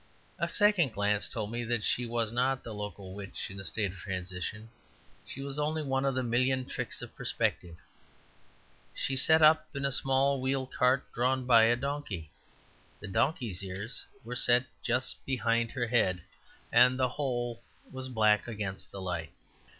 A second glance told me that she was not the local witch in a state of transition; she was only one of the million tricks of perspective. She stood up in a small wheeled cart drawn by a donkey; the donkey's ears were just set behind her head, and the whole was black against the light.